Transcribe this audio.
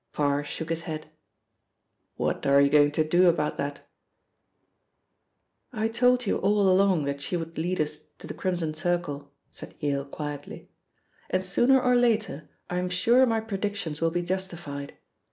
Parr shook his head. "What are you going to do about that?" "I told you all along that she would lead us to the Crimson Circle," said Yale quietly, "and sooner or later I am sure my predictions will be justified.